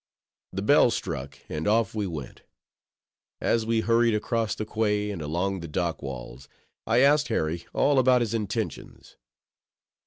The bell struck; and off we went. As we hurried across the quay, and along the dock walls, I asked Harry all about his intentions.